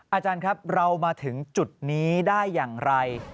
อาจารย์ครับเรามาถึงจุดนี้ได้อย่างไร